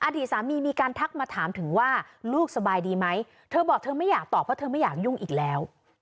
อดีตสามีมีการทักมาถามถึงว่าลูกสบายดีไหมเธอบอกเธอไม่อยากตอบเพราะเธอไม่อยากยุ่งอีกแล้ว